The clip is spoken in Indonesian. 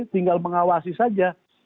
tinggal mengawasi saja